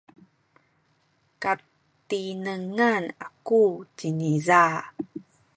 katinengan aku ciniza.